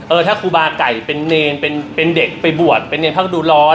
ถ้าครูบาไก่เป็นเนรเป็นเด็กไปบวชเป็นเนรพักดูร้อน